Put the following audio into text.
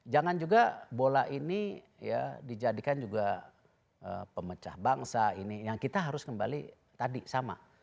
jangan juga bola ini ya dijadikan juga pemecah bangsa ini yang kita harus kembali tadi sama